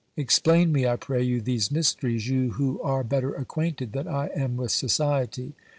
Explain me, I pray you, these mysteries, you who are better acquainted than I am with society.